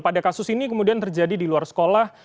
pada kasus ini kemudian terjadi di luar sekolah